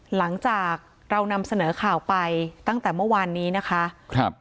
หลังจากเรานำเสนอข่าวไปตั้งแต่เมื่อวานนี้นะคะครับ